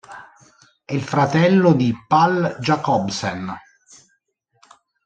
È il fratello di Pål Jacobsen.